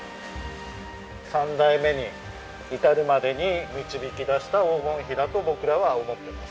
三代目に至るまでに導き出した黄金比だと僕らは思っています。